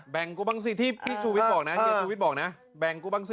แบ่งกูบ้างซิที่พี่ชูวิชบอกนะที่ชูวิชบอกนะแบ่งกูบ้างซิ